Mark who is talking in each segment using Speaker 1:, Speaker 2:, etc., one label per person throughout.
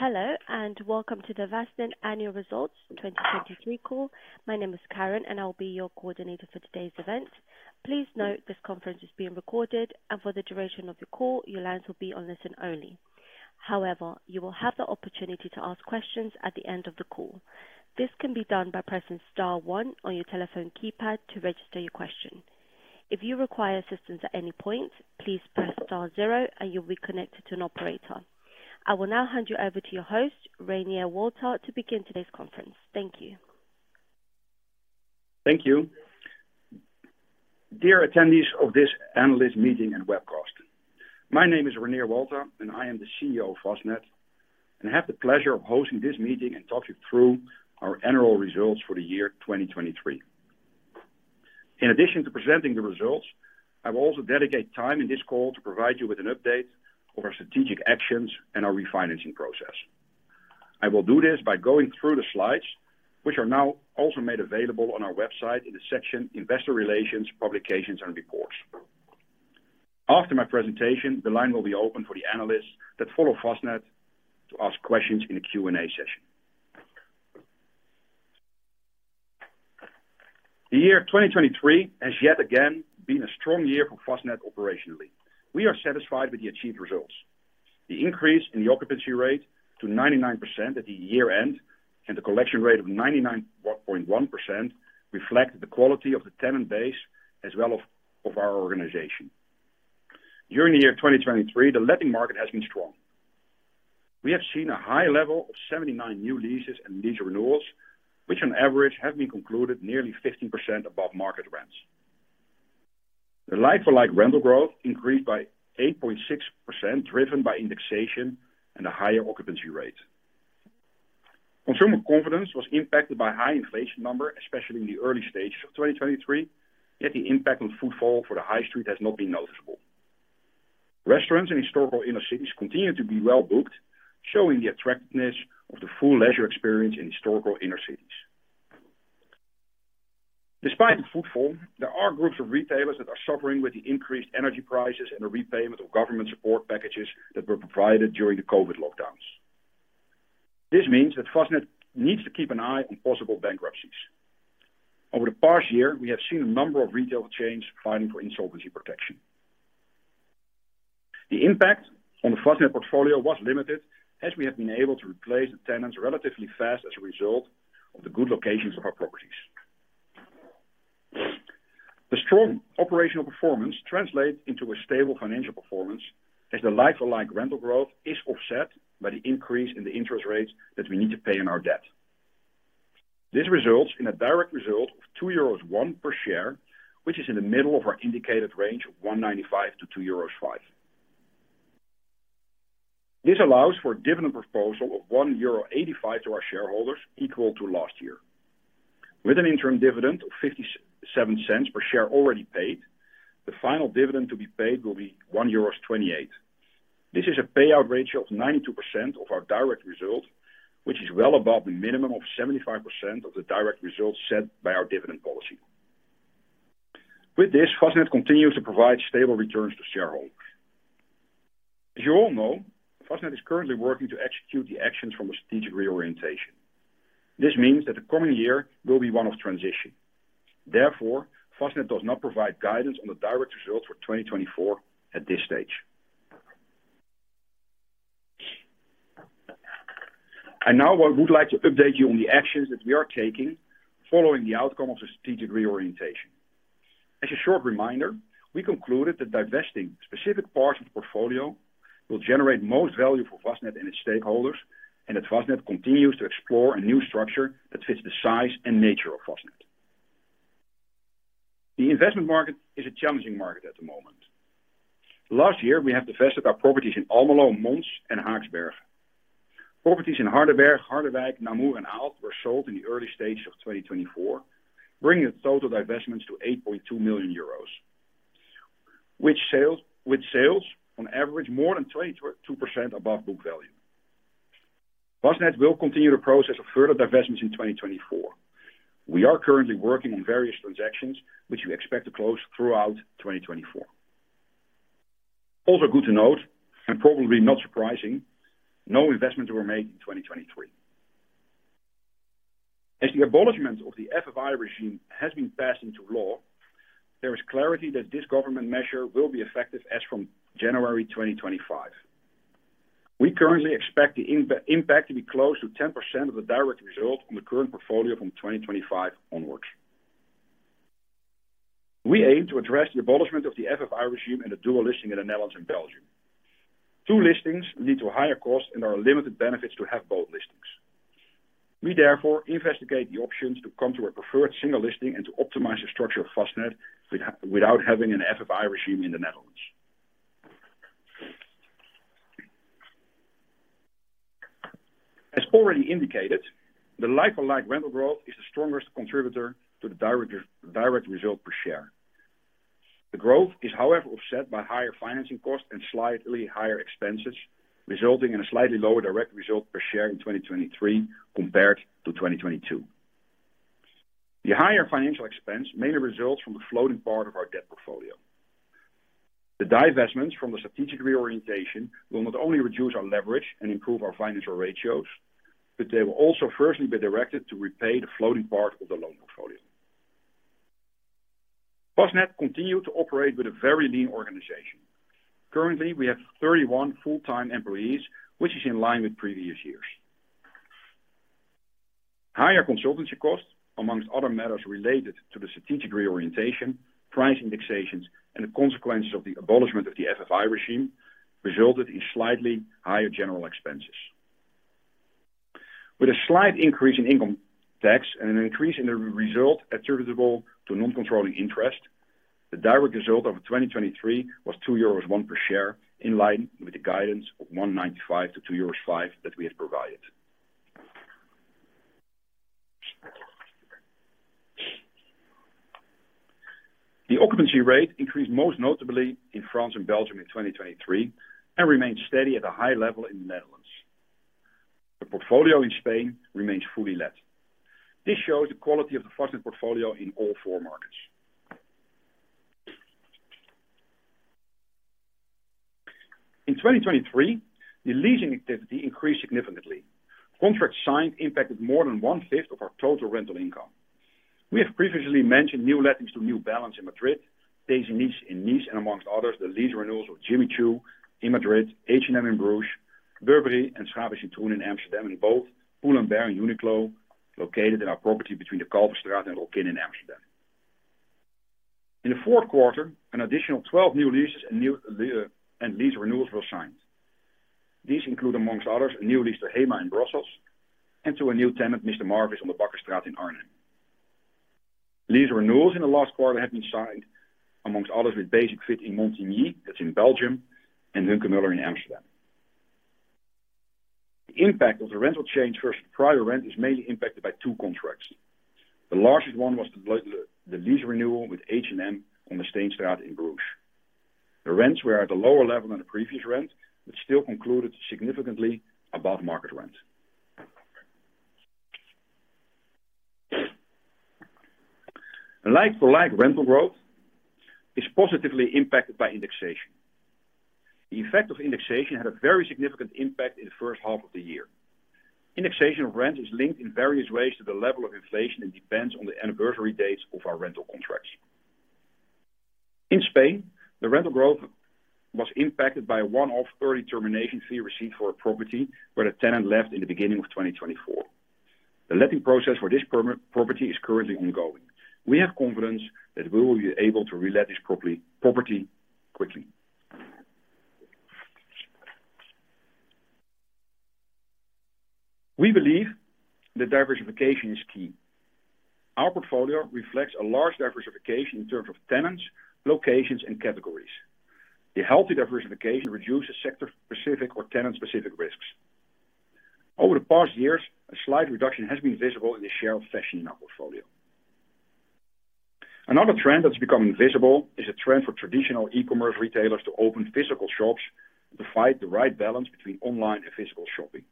Speaker 1: Hello and welcome to the Vastned Annual Results 2023 call. My name is Karen and I'll be your coordinator for today's event. Please note this conference is being recorded and for the duration of the call your lines will be on listen only. However, you will have the opportunity to ask questions at the end of the call. This can be done by pressing star one on your telephone keypad to register your question. If you require assistance at any point please press star zero and you'll be connected to an operator. I will now hand you over to your host Reinier Walta to begin today's conference. Thank you.
Speaker 2: Thank you. Dear attendees of this analyst meeting and webcast. My name is Reinier Walta and I am the CEO of Vastned and have the pleasure of hosting this meeting and talk you through our annual results for the year 2023. In addition to presenting the results, I will also dedicate time in this call to provide you with an update of our strategic actions and our refinancing process. I will do this by going through the slides which are now also made available on our website in the section Investor Relations Publications and Reports. After my presentation the line will be open for the analysts that follow Vastned to ask questions in the Q&A session. The year 2023 has yet again been a strong year for Vastned operationally. We are satisfied with the achieved results. The increase in the occupancy rate to 99% at the year-end and the collection rate of 99.1% reflect the quality of the tenant base as well as of our organization. During the year 2023 the letting market has been strong. We have seen a high level of 79 new leases and lease renewals which on average have been concluded nearly 15% above market rents. The like-for-like rental growth increased by 8.6% driven by indexation and a higher occupancy rate. Consumer confidence was impacted by high inflation number especially in the early stages of 2023 yet the impact on footfall for the high street has not been noticeable. Restaurants in historical inner cities continue to be well booked showing the attractiveness of the full leisure experience in historical inner cities. Despite the footfall there are groups of retailers that are suffering with the increased energy prices and the repayment of government support packages that were provided during the COVID lockdowns. This means that Vastned needs to keep an eye on possible bankruptcies. Over the past year we have seen a number of retail chains filing for solvency protection. The impact on the Vastned portfolio was limited as we have been able to replace the tenants relatively fast as a result of the good locations of our properties. The strong operational performance translates into a stable financial performance as the like-for-like rental growth is offset by the increase in the interest rates that we need to pay on our debt. This results in a direct result of 2.01 euros per share which is in the middle of our indicated range of 1.95-2.05 euros. This allows for a dividend proposal of 1.85 euro to our shareholders equal to last year. With an interim dividend of 0.57 per share already paid, the final dividend to be paid will be 1.28 euros. This is a payout ratio of 92% of our direct result which is well above the minimum of 75% of the direct result set by our dividend policy. With this Vastned continues to provide stable returns to shareholders. As you all know Vastned is currently working to execute the actions from a strategic reorientation. This means that the coming year will be one of transition. Therefore Vastned does not provide guidance on the direct results for 2024 at this stage. I now would like to update you on the actions that we are taking following the outcome of the strategic reorientation. As a short reminder, we concluded that divesting specific parts of the portfolio will generate most value for Vastned and its stakeholders and that Vastned continues to explore a new structure that fits the size and nature of Vastned. The investment market is a challenging market at the moment. Last year we have divested our properties in Almelo, Mons, and Haaksbergen. Properties in Hardenberg, Harderwijk, Namur, and Aalst were sold in the early stages of 2024 bringing the total divestments to 8.2 million euros with sales on average more than 22% above book value. Vastned will continue the process of further divestments in 2024. We are currently working on various transactions which we expect to close throughout 2024. Also, good to note and probably not surprising no investments were made in 2023. As the abolishment of the FBI regime has been passed into law, there is clarity that this government measure will be effective as from January 2025. We currently expect the impact to be close to 10% of the direct result on the current portfolio from 2025 onwards. We aim to address the abolishment of the FBI regime and the dual listing in the Netherlands and Belgium. Two listings lead to higher costs, and there are limited benefits to have both listings. We therefore investigate the options to come to a preferred single listing and to optimize the structure of Vastned without having an FBI regime in the Netherlands. As already indicated, the like-for-like rental growth is the strongest contributor to the direct result per share. The growth is however offset by higher financing costs and slightly higher expenses resulting in a slightly lower direct result per share in 2023 compared to 2022. The higher financial expense mainly results from the floating part of our debt portfolio. The divestments from the strategic reorientation will not only reduce our leverage and improve our financial ratios but they will also firstly be directed to repay the floating part of the loan portfolio. Vastned continue to operate with a very lean organization. Currently we have 31 full-time employees which is in line with previous years. Higher consultancy costs among other matters related to the strategic reorientation price indexations and the consequences of the abolishment of the FBI regime resulted in slightly higher general expenses. With a slight increase in income tax and an increase in the result attributable to non-controlling interest, the direct result over 2023 was 2.01 euros per share in line with the guidance of 1.95-2.05 euros that we had provided. The occupancy rate increased most notably in France and Belgium in 2023 and remained steady at a high level in the Netherlands. The portfolio in Spain remains fully let. This shows the quality of the Vastned portfolio in all four markets. In 2023 the leasing activity increased significantly. Contracts signed impacted more than one-fifth of our total rental income. We have previously mentioned new lettings to New Balance in Madrid, Zadig & Voltaire in Nice, and amongst others the lease renewals of Jimmy Choo in Madrid, H&M in Bruges, Burberry, and Schaap en Citroen in Amsterdam, and both Pull & Bear and Uniqlo located in our property between the Kalverstraat and Rokin in Amsterdam. In the fourth quarter, an additional 12 new leases and new lease renewals were signed. These include amongst others a new lease to HEMA in Brussels and to a new tenant Mr. Marvis on the Bakkerstraat in Arnhem. Lease renewals in the last quarter have been signed amongst others with Basic-Fit in Montigny that's in Belgium and Hunkemöller in Amsterdam. The impact of the rental change versus prior rent is mainly impacted by two contracts. The largest one was the lease renewal with H&M on the Steenstraat in Bruges. The rents were at a lower level than the previous rent but still concluded significantly above market rent. The like-for-like rental growth is positively impacted by indexation. The effect of indexation had a very significant impact in the first half of the year. Indexation of rents is linked in various ways to the level of inflation and depends on the anniversary dates of our rental contracts. In Spain the rental growth was impacted by a one-off early termination fee received for a property where the tenant left in the beginning of 2024. The letting process for this property is currently ongoing. We have confidence that we will be able to relet this property quickly. We believe that diversification is key. Our portfolio reflects a large diversification in terms of tenants locations and categories. The healthy diversification reduces sector-specific or tenant-specific risks. Over the past years a slight reduction has been visible in the share of fashion in our portfolio. Another trend that's becoming visible is a trend for traditional e-commerce retailers to open physical shops to find the right balance between online and physical shopping.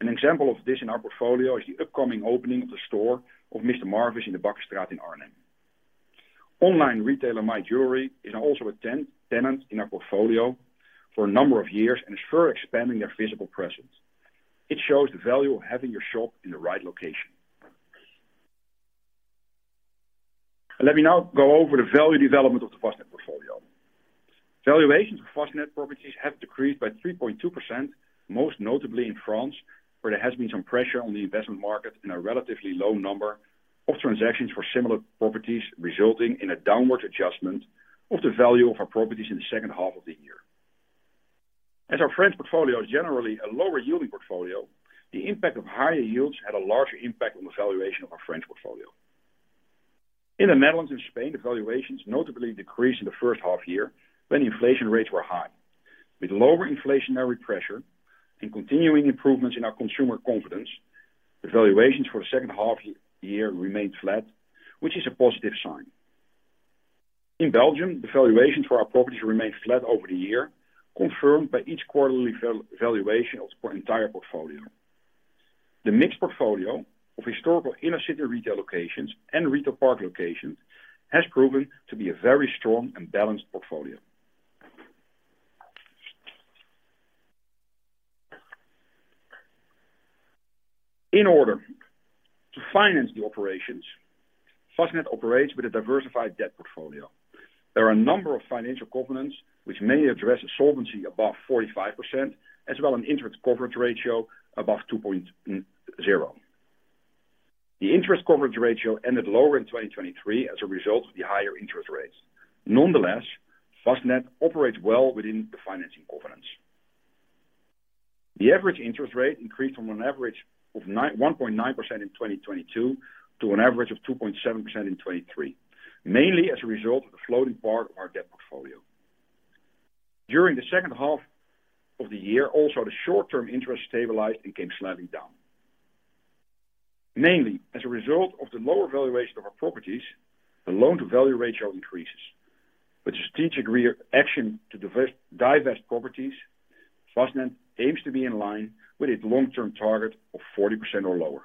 Speaker 2: An example of this in our portfolio is the upcoming opening of the store of Mr Marvis in the Bakkerstraat in Arnhem. Online retailer My Jewellery is now also a tenant in our portfolio for a number of years and is further expanding their physical presence. It shows the value of having your shop in the right location. Let me now go over the value development of the Vastned portfolio. Valuations of Vastned properties have decreased by 3.2% most notably in France where there has been some pressure on the investment market and a relatively low number of transactions for similar properties resulting in a downward adjustment of the value of our properties in the second half of the year. As our French portfolio is generally a lower yielding portfolio, the impact of higher yields had a larger impact on the valuation of our French portfolio. In the Netherlands and Spain, the valuations notably decreased in the first half year when the inflation rates were high. With lower inflationary pressure and continuing improvements in our consumer confidence, the valuations for the second half year remained flat, which is a positive sign. In Belgium, the valuations for our properties remained flat over the year, confirmed by each quarterly valuation of the entire portfolio. The mixed portfolio of historical inner city retail locations and retail park locations has proven to be a very strong and balanced portfolio. In order to finance the operations Vastned operates with a diversified debt portfolio. There are a number of financial covenants which may address insolvency above 45% as well as an interest coverage ratio above 2.0. The interest coverage ratio ended lower in 2023 as a result of the higher interest rates. Nonetheless Vastned operates well within the financing components. The average interest rate increased from an average of 1.9% in 2022 to an average of 2.7% in 2023 mainly as a result of the floating part of our debt portfolio. During the second half of the year also the short-term interest stabilized and came slightly down. Mainly as a result of the lower valuation of our properties, the loan-to-value ratio increases. With a strategic reaction to divest properties, Vastned aims to be in line with its long-term target of 40% or lower.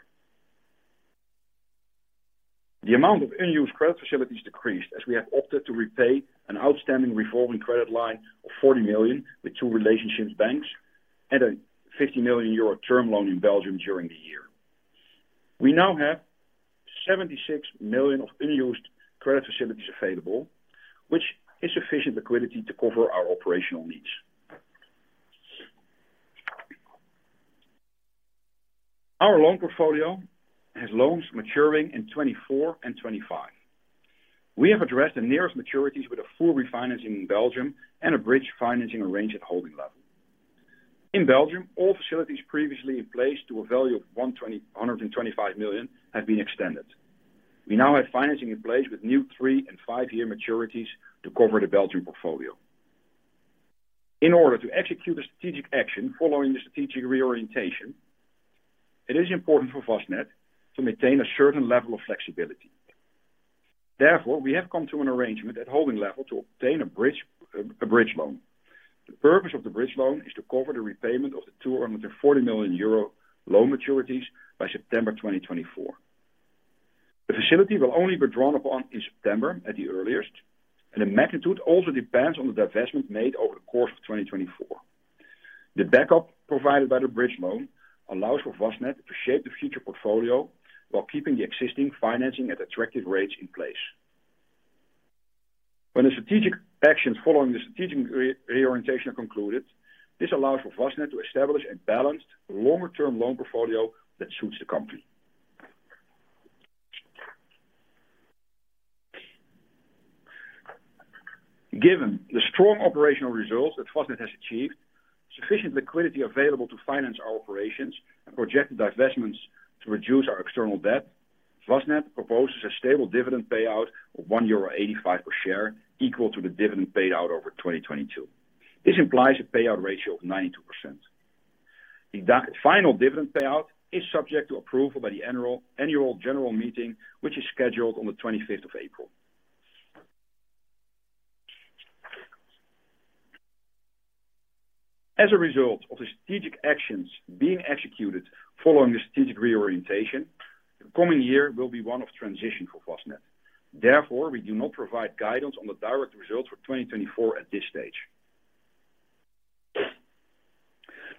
Speaker 2: The amount of unused credit facilities decreased as we have opted to repay an outstanding revolving credit line of 40 million with two relationship banks and a 50 million euro term loan in Belgium during the year. We now have 76 million of unused credit facilities available, which is sufficient liquidity to cover our operational needs. Our loan portfolio has loans maturing in 2024 and 2025. We have addressed the nearest maturities with a full refinancing in Belgium and a bridge financing arranged at holding level. In Belgium, all facilities previously in place to a value of 125 million have been extended. We now have financing in place with new 3- and 5-year maturities to cover the Belgian portfolio. In order to execute a strategic action following the strategic reorientation it is important for Vastned to maintain a certain level of flexibility. Therefore we have come to an arrangement at holding level to obtain a bridge loan. The purpose of the bridge loan is to cover the repayment of the 240 million euro loan maturities by September 2024. The facility will only be drawn upon in September at the earliest and the magnitude also depends on the divestment made over the course of 2024. The backup provided by the bridge loan allows for Vastned to shape the future portfolio while keeping the existing financing at attractive rates in place. When the strategic actions following the strategic reorientation are concluded, this allows for Vastned to establish a balanced longer-term loan portfolio that suits the company. Given the strong operational results that Vastned has achieved, sufficient liquidity available to finance our operations and projected divestments to reduce our external debt, Vastned proposes a stable dividend payout of 1.85 euro per share equal to the dividend paid out over 2022. This implies a payout ratio of 92%. The final dividend payout is subject to approval by the annual general meeting which is scheduled on the 25th of April. As a result of the strategic actions being executed following the strategic reorientation, the coming year will be one of transition for Vastned. Therefore, we do not provide guidance on the direct results for 2024 at this stage.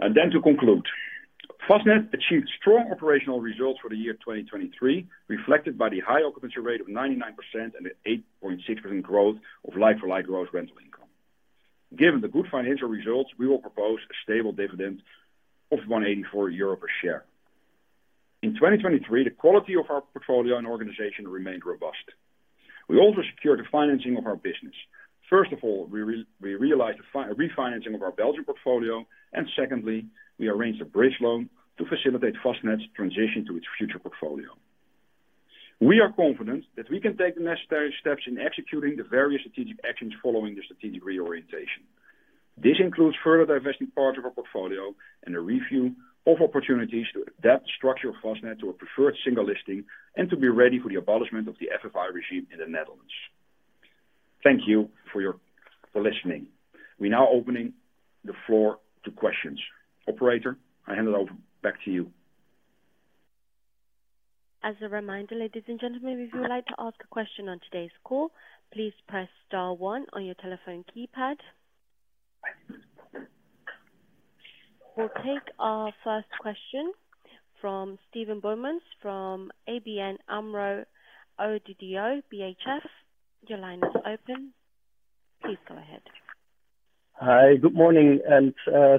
Speaker 2: Then to conclude, Vastned achieved strong operational results for the year 2023, reflected by the high occupancy rate of 99% and the 8.6% growth of like-for-like growth rental income. Given the good financial results, we will propose a stable dividend of 1.84 euro per share. In 2023, the quality of our portfolio and organization remained robust. We also secured the financing of our business. First of all, we realized the refinancing of our Belgian portfolio and secondly we arranged a bridge loan to facilitate Vastned's transition to its future portfolio. We are confident that we can take the necessary steps in executing the various strategic actions following the strategic reorientation. This includes further divesting parts of our portfolio and a review of opportunities to adapt the structure of Vastned to a preferred single listing and to be ready for the abolishment of the FBI regime in the Netherlands. Thank you for listening. We now opening the floor to questions. Operator, I hand it over back to you. As a reminder, ladies and gentlemen, if you would like to ask a question on today's call, please press star one on your telephone keypad. We'll take our first question from Steven Boumans from ABN AMRO – ODDO BHF. Your line is open. Please go ahead.
Speaker 3: Hi, good morning, and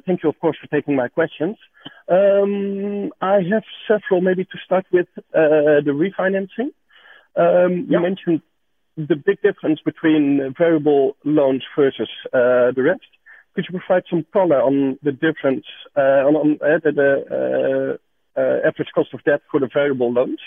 Speaker 3: thank you, of course, for taking my questions. I have several, maybe to start with the refinancing. You mentioned the big difference between variable loans versus the rest. Could you provide some color on the difference on the average cost of debt for the variable loans?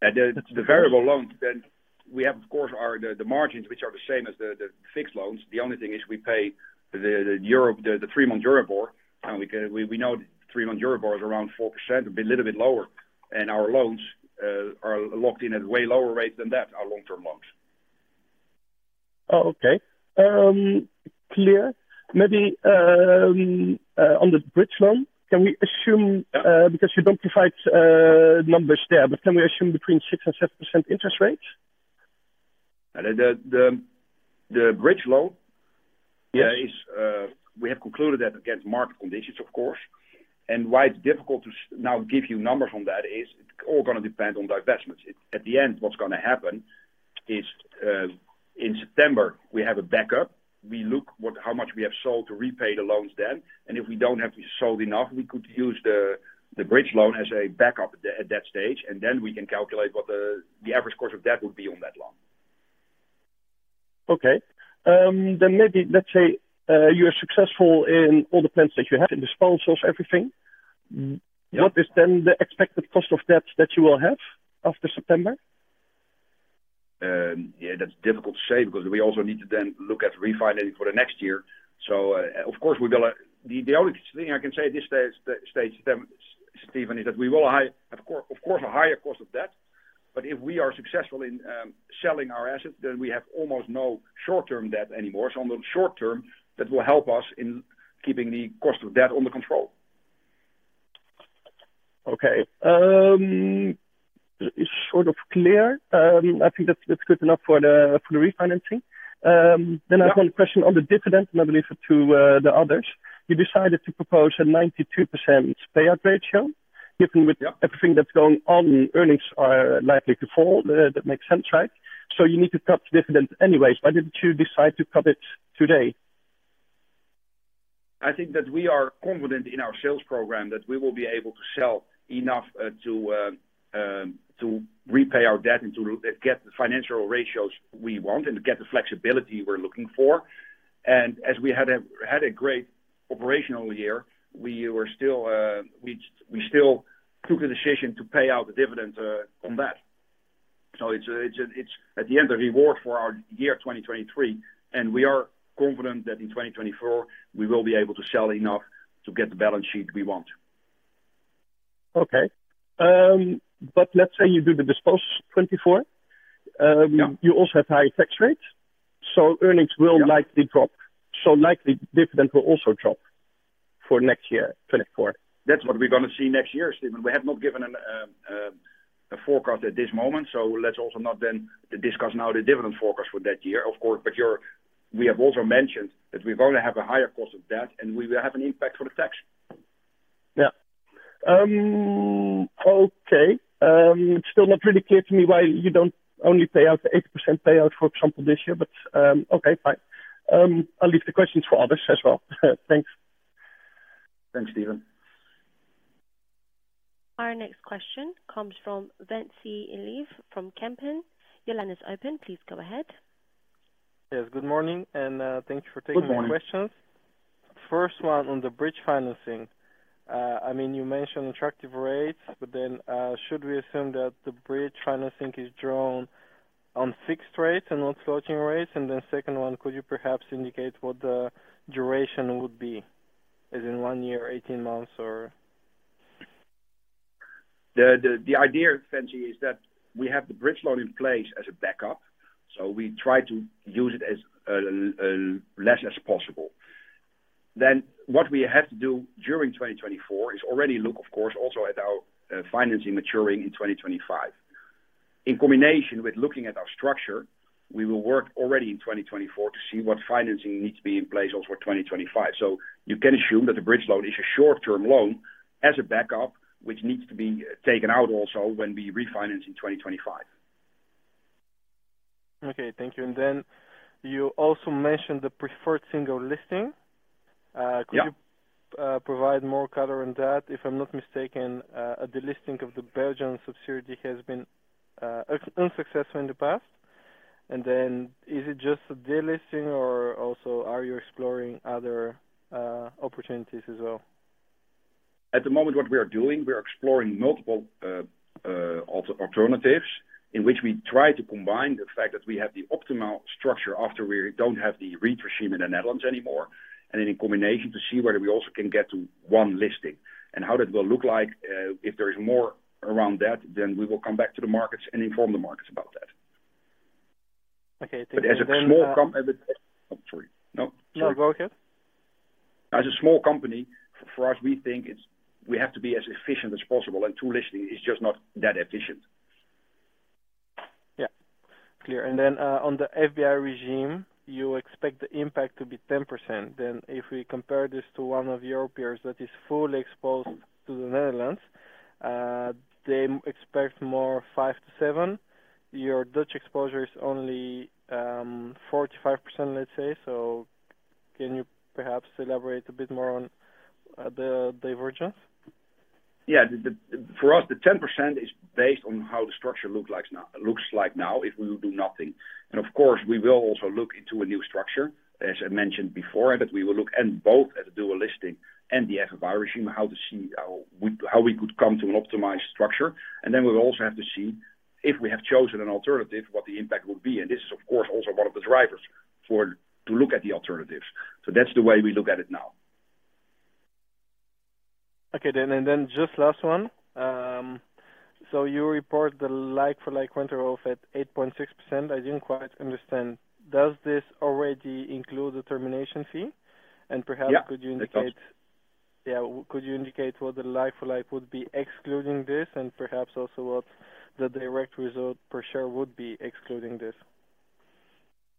Speaker 4: The variable loans, then we have, of course, our margins, which are the same as the fixed loans. The only thing is we pay the Euribor, the three-month Euribor, and we know that three-month Euribor is around 4% a little bit lower, and our loans are locked in at way lower rates than that, our long-term loans.
Speaker 3: Oh okay. Clear. Maybe on the bridge loan can we assume because you don't provide numbers there but can we assume between 6% and 7% interest rates?
Speaker 4: The bridge loan is. We have concluded that against market conditions, of course, and why it's difficult to now give you numbers on that is it's all going to depend on divestments. At the end, what's going to happen is, in September, we have a backup. We look how much we have sold to repay the loans then, and if we don't have sold enough, we could use the bridge loan as a backup at that stage, and then we can calculate what the average cost of debt would be on that loan.
Speaker 3: Okay. Then maybe let's say you are successful in all the plans that you have in the sponsors everything. What is then the expected cost of debt that you will have after September?
Speaker 4: Yeah, that's difficult to say because we also need to then look at refinancing for the next year. So of course we will, the only thing I can say at this stage, Steven, is that we will have of course a higher cost of debt, but if we are successful in selling our assets then we have almost no short-term debt anymore. So on the short term that will help us in keeping the cost of debt under control.
Speaker 3: Okay. It's sort of clear. I think that's good enough for the refinancing. Then I have one question on the dividend and I'll leave it to the others. You decided to propose a 92% payout ratio given with everything that's going on earnings are likely to fall. That makes sense right? So you need to cut dividends anyways. Why didn't you decide to cut it today?
Speaker 4: I think that we are confident in our sales program that we will be able to sell enough to repay our debt and to get the financial ratios we want and get the flexibility we're looking for. And as we had a great operational year, we still took the decision to pay out the dividends on that. So it's at the end a reward for our year 2023 and we are confident that in 2024 we will be able to sell enough to get the balance sheet we want.
Speaker 3: Okay. But let's say you do the disposal 2024. You also have high tax rates so earnings will likely drop so likely dividend will also drop for next year 2024.
Speaker 4: That's what we're going to see next year, Steven. We have not given a forecast at this moment, so let's also not then discuss now the dividend forecast for that year, of course. But we have also mentioned that we're going to have a higher cost of debt and we will have an impact for the tax.
Speaker 3: Yeah. Okay. It's still not really clear to me why you don't only pay out the 80% payout for example this year but okay fine. I'll leave the questions for others as well. Thanks.
Speaker 4: Thanks Stephen.
Speaker 1: Our next question comes from Ventsi Iliev from Van Lanschot Kempen. Your line is open. Please go ahead.
Speaker 5: Yes, good morning, and thank you for taking my questions. First one on the bridge financing. I mean you mentioned attractive rates but then should we assume that the bridge financing is drawn on fixed rates and not floating rates? And then second one could you perhaps indicate what the duration would be as in 1 year 18 months or?
Speaker 4: The idea, Ventsi, is that we have the bridge loan in place as a backup so we try to use it as less as possible. Then what we have to do during 2024 is already look of course also at our financing maturing in 2025. In combination with looking at our structure we will work already in 2024 to see what financing needs to be in place also 2025. So you can assume that the bridge loan is a short-term loan as a backup which needs to be taken out also when we refinance in 2025.
Speaker 5: Okay, thank you. And then you also mentioned the preferred single listing. Could you provide more color on that if I'm not mistaken? The listing of the Belgian subsidiary has been unsuccessful in the past. And then is it just the listing or also are you exploring other opportunities as well?
Speaker 4: At the moment, what we are doing we are exploring multiple alternatives in which we try to combine the fact that we have the optimal structure after we don't have the REIT regime in the Netherlands anymore and then in combination to see whether we also can get to one listing and how that will look like. If there is more around that, then we will come back to the markets and inform the markets about that.
Speaker 5: Okay, thank you.
Speaker 4: But as a small company, oh, sorry, no.
Speaker 3: No, go ahead.
Speaker 4: As a small company, for us, we think it's we have to be as efficient as possible, and two listings is just not that efficient.
Speaker 5: Yeah, clear. And then on the FBI regime, you expect the impact to be 10%. Then, if we compare this to one of your peers that is fully exposed to the Netherlands, they expect more 5-7. Your Dutch exposure is only 45%, let's say. So, can you perhaps elaborate a bit more on the divergence?
Speaker 4: Yeah, for us the 10% is based on how the structure looks like now if we do nothing. And of course we will also look into a new structure as I mentioned before that we will look both at the dual listing and the FBI regime how to see how we could come to an optimized structure. And then we will also have to see if we have chosen an alternative what the impact would be. And this is of course also one of the drivers for to look at the alternatives. So that's the way we look at it now.
Speaker 5: Okay then and then just last one. So you report the like-for-like rental growth at 8.6%. I didn't quite understand. Does this already include the termination fee? And perhaps could you indicate yeah could you indicate what the like-for-like would be excluding this and perhaps also what the direct result per share would be excluding this?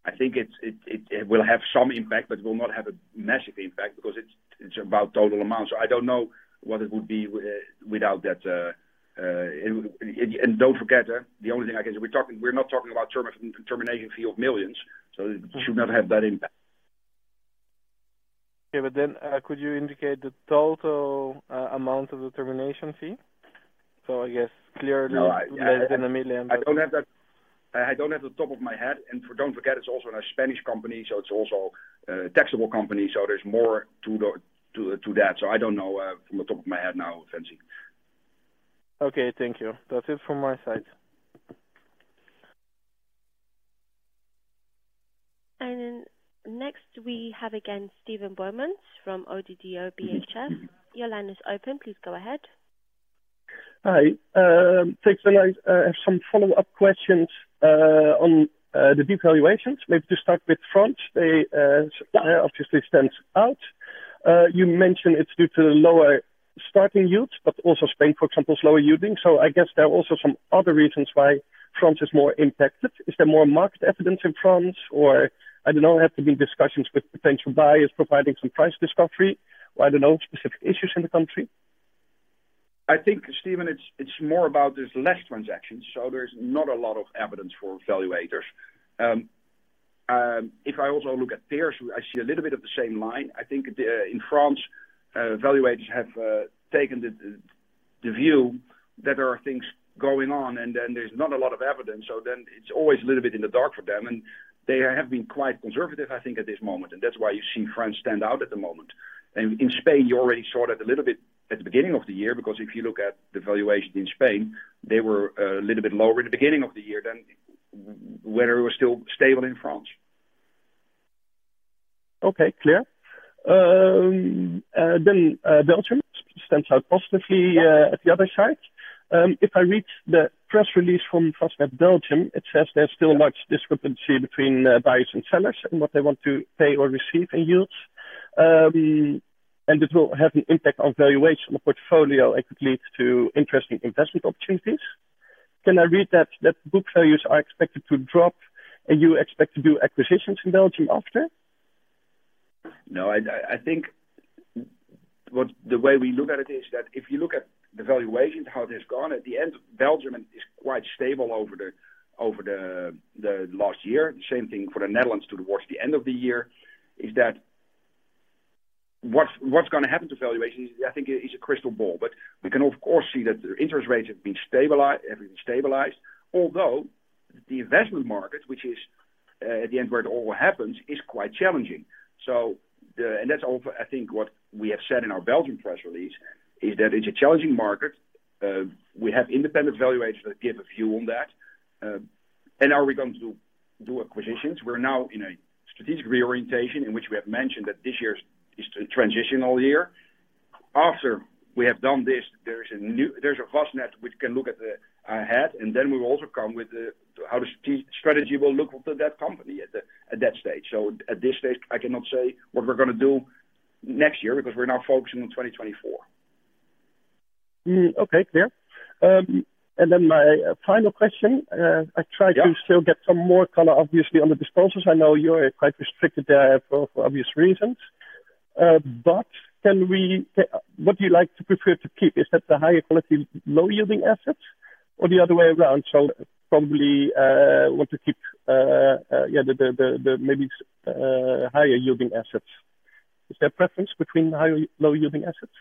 Speaker 4: I think it will have some impact but it will not have a massive impact because it's about total amounts. So I don't know what it would be without that. And don't forget the only thing I can say we're not talking about termination fee of millions so it should not have that impact.
Speaker 5: Okay, but then could you indicate the total amount of the termination fee? So I guess clearly less than 1 million.
Speaker 4: I don't have that off the top of my head. And don't forget it's also a Spanish company so it's also a taxable company so there's more to that. So I don't know off the top of my head now, Ventsi.
Speaker 5: Okay, thank you. That's it from my side.
Speaker 1: And then next we have again Steven Boumans from ABN AMRO – ODDO BHF. Your line is open. Please go ahead.
Speaker 3: Hi, thanks for having some follow-up questions on the devaluations. Maybe to start with France, they obviously stand out. You mentioned it's due to the lower starting yields, but also Spain, for example's lower yielding. So I guess there are also some other reasons why France is more impacted. Is there more market evidence in France or I don't know, have there been discussions with potential buyers providing some price discovery or I don't know, specific issues in the country?
Speaker 4: I think Steven, it's more about there's less transactions so there's not a lot of evidence for valuators. If I also look at peers I see a little bit of the same line. I think in France valuators have taken the view that there are things going on and then there's not a lot of evidence so then it's always a little bit in the dark for them. And they have been quite conservative I think at this moment and that's why you see France stand out at the moment. And in Spain you already saw that a little bit at the beginning of the year because if you look at the valuation in Spain they were a little bit lower in the beginning of the year than whether it was still stable in France.
Speaker 3: Okay, clear. Then Belgium stands out positively at the other side. If I read the press release from Vastned Belgium, it says there's still much discrepancy between buyers and sellers and what they want to pay or receive in yields. It will have an impact on valuation on the portfolio and could lead to interesting investment opportunities. Can I read that book values are expected to drop and you expect to do acquisitions in Belgium after?
Speaker 4: No, I think the way we look at it is that if you look at the valuations, how it has gone at the end, Belgium is quite stable over the last year. Same thing for the Netherlands. Towards the end of the year, is that what's going to happen to valuations? I think is a crystal ball. But we can of course see that the interest rates have been stabilized, although the investment market, which is at the end where it all happens, is quite challenging. So, and that's also, I think, what we have said in our Belgium press release is that it's a challenging market. We have independent valuators that give a view on that. Are we going to do acquisitions? We're now in a strategic reorientation in which we have mentioned that this year is a transitional year. After we have done this, there is a new Vastned which can look ahead, and then we will also come with how the strategy will look to that company at that stage. So at this stage, I cannot say what we're going to do next year because we're now focusing on 2024.
Speaker 3: Okay, clear. Then my final question. I try to still get some more color, obviously, on the disposals. I know you're quite restricted there for obvious reasons. But can we, what do you like to prefer to keep? Is that the higher quality low-yielding assets or the other way around? So, probably want to keep, yeah, the maybe higher-yielding assets. Is there a preference between higher low-yielding assets?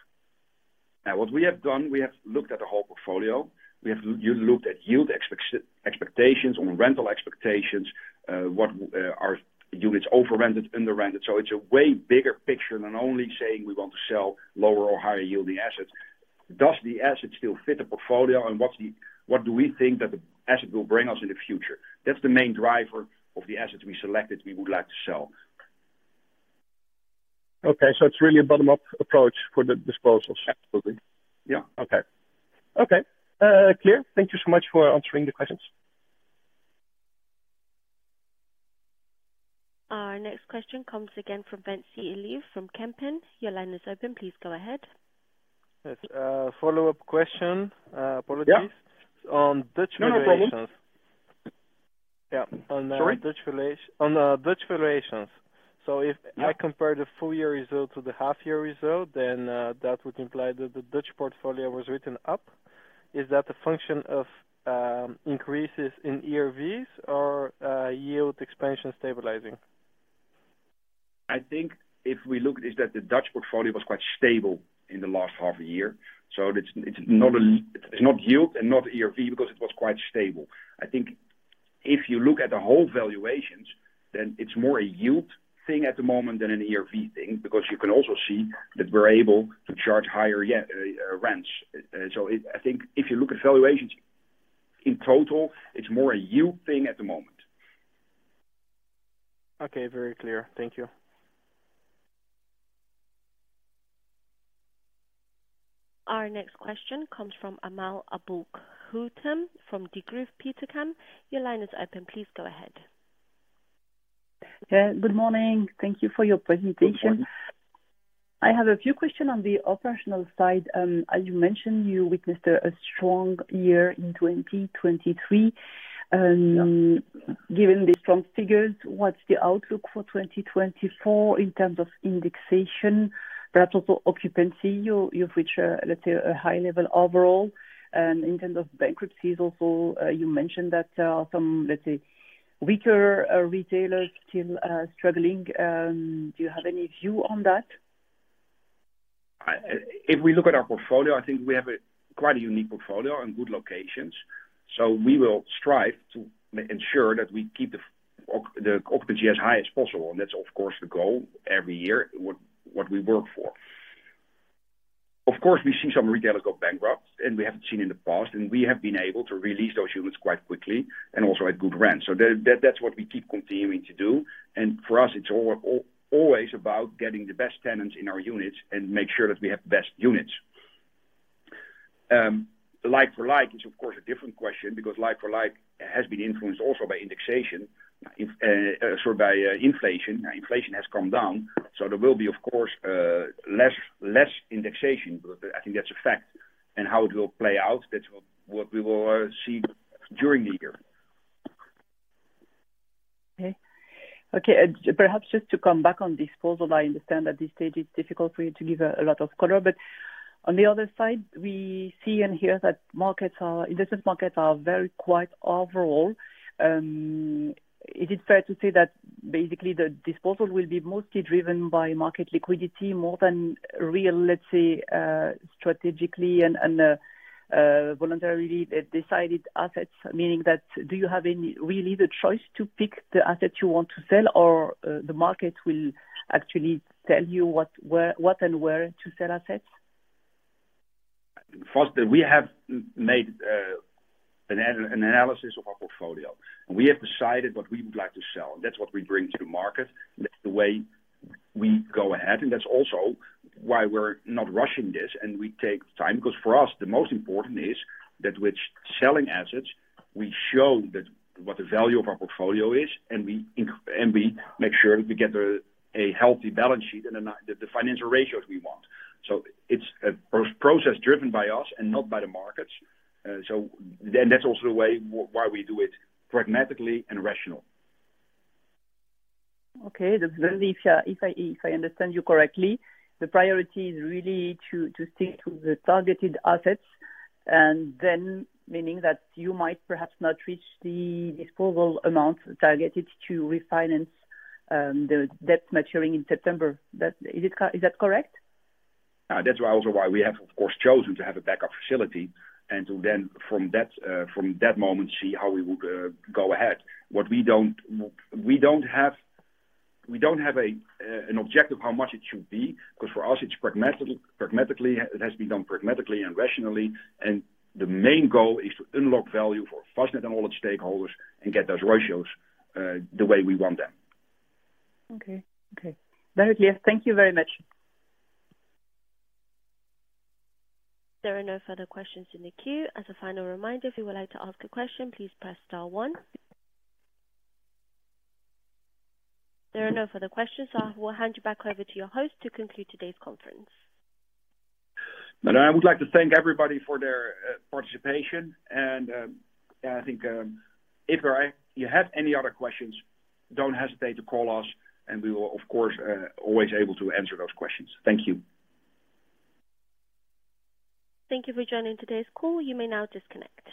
Speaker 4: What we have done, we have looked at the whole portfolio. We have looked at yield expectations on rental expectations. What are units over-rented, under-rented? So it's a way bigger picture than only saying we want to sell lower or higher-yielding assets. Does the asset still fit the portfolio and what do we think that the asset will bring us in the future? That's the main driver of the assets we selected we would like to sell.
Speaker 3: Okay, so it's really a bottom-up approach for the disposals.
Speaker 4: Yeah.
Speaker 3: Okay. Okay, clear. Thank you so much for answering the questions.
Speaker 1: Our next question comes again from Ventsi Iliev from Van Lanschot Kempen. Your line is open. Please go ahead.
Speaker 5: Yes, follow-up question. Apologies. On Dutch valuations.
Speaker 3: No, no problem.
Speaker 5: Yeah, on Dutch valuations. If I compare the full-year result to the half-year result, then that would imply that the Dutch portfolio was written up. Is that a function of increases in ERVs or yield expansion stabilizing?
Speaker 4: I think if we look, it's that the Dutch portfolio was quite stable in the last half a year. So it's not yield and not ERV because it was quite stable. I think if you look at the whole valuations then it's more a yield thing at the moment than an ERV thing because you can also see that we're able to charge higher rents. So I think if you look at valuations in total it's more a yield thing at the moment.
Speaker 5: Okay very clear. Thank you.
Speaker 1: Our next question comes from Amal Aboulkhouatem from Degroof Petercam. Your line is open. Please go ahead.
Speaker 6: Good morning. Thank you for your presentation. I have a few questions on the operational side. As you mentioned you witnessed a strong year in 2023. Given the strong figures what's the outlook for 2024 in terms of indexation perhaps also occupancy you've reached let's say a high level overall. In terms of bankruptcies also you mentioned that there are some let's say weaker retailers still struggling. Do you have any view on that?
Speaker 4: If we look at our portfolio I think we have quite a unique portfolio and good locations. So we will strive to ensure that we keep the occupancy as high as possible. And that's of course the goal every year what we work for. Of course we see some retailers go bankrupt and we haven't seen in the past and we have been able to release those units quite quickly and also at good rents. So that's what we keep continuing to do. And for us it's always about getting the best tenants in our units and make sure that we have the best units. Like-for-like is of course a different question because like-for-like has been influenced also by indexation sorry by inflation. Inflation has come down so there will be of course less indexation. I think that's a fact. How it will play out, that's what we will see during the year.
Speaker 6: Okay, okay. Perhaps just to come back on disposal. I understand at this stage it's difficult for you to give a lot of color, but on the other side we see and hear that markets are investment markets are very quiet overall. Is it fair to say that basically the disposal will be mostly driven by market liquidity more than real, let's say strategically and voluntarily decided assets? Meaning that, do you have any really the choice to pick the assets you want to sell or the market will actually tell you what and where to sell assets?
Speaker 4: First we have made an analysis of our portfolio and we have decided what we would like to sell. That's what we bring to the market. That's the way we go ahead. That's also why we're not rushing this and we take time because for us the most important is that which selling assets we show that what the value of our portfolio is and we make sure that we get a healthy balance sheet and the financial ratios we want. It's a process driven by us and not by the markets. Then that's also the way why we do it pragmatically and rationally.
Speaker 6: Okay then, if I understand you correctly, the priority is really to stick to the targeted assets and then meaning that you might perhaps not reach the disposal amounts targeted to refinance the debt maturing in September. Is that correct?
Speaker 4: That's also why we have, of course, chosen to have a backup facility and to then, from that moment, see how we would go ahead. What we don't have an objective how much it should be because for us it's been done pragmatically and rationally. The main goal is to unlock value for Vastned and all its stakeholders and get those ratios the way we want them.
Speaker 6: Okay okay. Very clear. Thank you very much.
Speaker 1: There are no further questions in the queue. As a final reminder, if you would like to ask a question, please press star one. There are no further questions, so I will hand you back over to your host to conclude today's conference.
Speaker 4: I would like to thank everybody for their participation. I think if you have any other questions, don't hesitate to call us, and we will of course always be able to answer those questions. Thank you.
Speaker 2: Thank you for joining today's call. You may now disconnect.